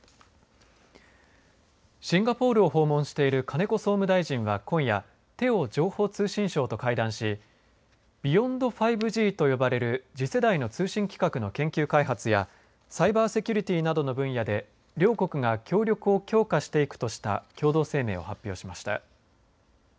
シンガポールを訪問している金子総務大臣は今夜テオ情報通信相と会談しビヨンド５Ｇと呼ばれる次世代の通信規格の研究開発やサイバーセキュリティーなどの分野で両国が協力を強化していくとした共同声明を発表しました。